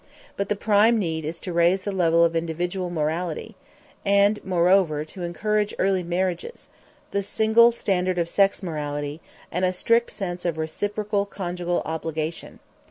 But the prime need is to raise the level of individual morality; and, moreover, to encourage early marriages, the single standard of sex morality, and a strict sense of reciprocal conjugal obligation.